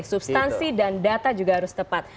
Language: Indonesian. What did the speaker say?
substansi dan data juga harus tepat